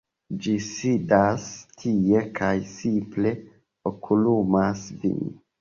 ĝi sidas tie kaj simple okulumas vin.